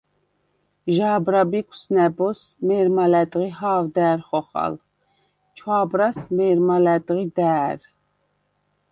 ჟა̄ბრა ბიქვს ნა̈ბოზს მე̄რმა ლა̈დღი ჰა̄ვდა̈რ ხოხალ, ჩვა̄ბრას − მე̄რმა ლა̈დღი და̄̈რ.